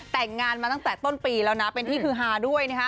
แต่งงานมาตั้งแต่ต้นปีแล้วนะเป็นที่คือฮาด้วยนะฮะ